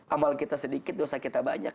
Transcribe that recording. amal kita sedikit dosa kita banyak